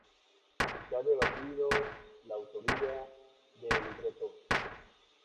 Se ha debatido la autoría del libreto.